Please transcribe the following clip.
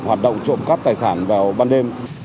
hoạt động trộm cắt tài sản vào ban đêm